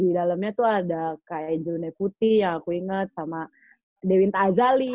di dalamnya tuh ada kak ejil nefuti yang aku inget sama dewinta azali